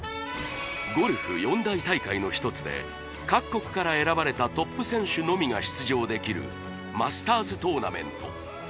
ゴルフ四大大会の一つで各国から選ばれたトップ選手のみが出場できるマスターズ・トーナメント